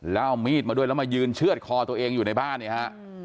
แล้วเอามีดมาด้วยแล้วมายืนเชื่อดคอตัวเองอยู่ในบ้านเนี่ยฮะ